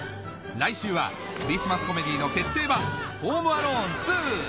来週はクリスマスコメディーの決定版『ホーム・アローン２』